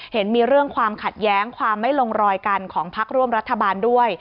เห็นมีเรื่องความขัดแย้งความไม่ลงรอยกันของพักร่วมรัฐบาลด้วย